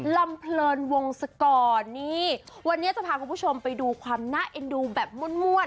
ลำเพลินวงศกรนี่วันนี้จะพาคุณผู้ชมไปดูความน่าเอ็นดูแบบม่วน